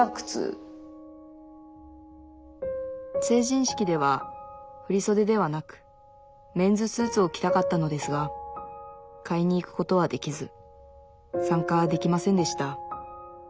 成人式では振り袖ではなくメンズスーツを着たかったのですが買いに行くことはできず参加できませんでした